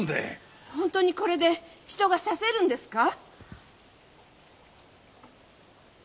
ほんとにこれで人が刺せるんですか？